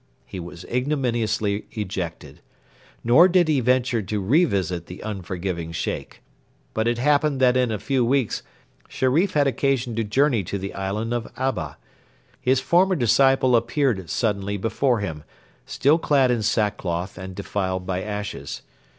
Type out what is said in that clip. He was ignominiously ejected. Nor did he venture to revisit the unforgiving Sheikh. But it happened that in a few weeks Sherif had occasion to journey to the island of Abba. His former disciple appeared suddenly before him, still clad in sackcloth and defiled by ashes.